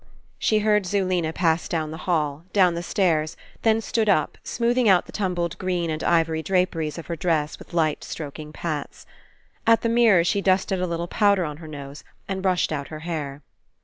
She heard Zulena pass down the hall, down the stairs, then stood up, smoothing out the tumbled green and Ivory draperies of her dress with light stroking pats. At the mirror she dusted a little powder on her nose and brushed out her hair.